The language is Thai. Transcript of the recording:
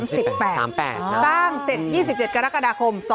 สร้างเสร็จ๒๗กรกฎาคม๒๕๓๘